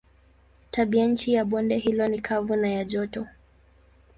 Tabianchi ya bonde hilo ni kavu na ya joto.